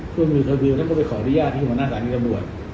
คุณมีความคิดก็ไปขออนุญาตที่หัวหน้าศาลีกระบวน